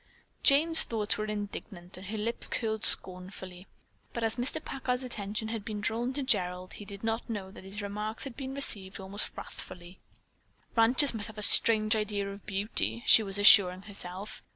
Jane's thoughts were indignant, and her lips curled scornfully, but as Mr. Packard's attention had been drawn to Gerald, he did not know that his remarks had been received almost wrathfully. "Ranchers must have strange ideas of beauty!" she was assuring herself.